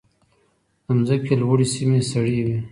د ځمکې لوړې سیمې سړې وي.